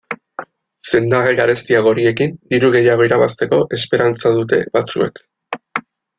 Sendagai garestiago horiekin diru gehiago irabazteko esperantza dute batzuek.